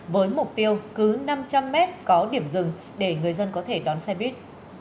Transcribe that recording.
với mục tiêu cứ năm trăm linh mét có điểm dừng để người dân có thể đón xe buýt